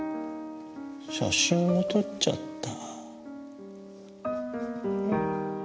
写真も撮っちゃった。